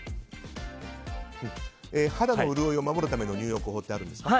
肌の潤いを守るための入浴法はあるんですか？